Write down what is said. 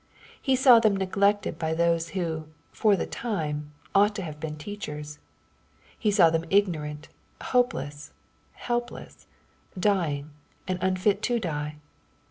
He saw them neglected by those who, for the time, ought to have been teachers. He saw them ignorant, hopeless, helpless, dying, and unfit to die.